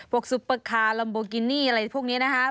ซุปเปอร์คาร์ลัมโบกินี่อะไรพวกนี้นะครับ